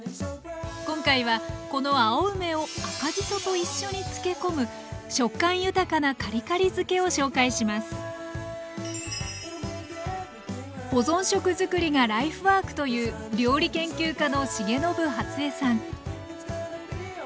今回はこの青梅を赤じそと一緒に漬け込む食感豊かな「カリカリ漬け」を紹介します保存食作りがライフワークという料理研究家の重信初江さん